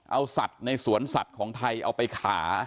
เอาสัตว์ในสวนสัตว์ของไทยเอาไปขา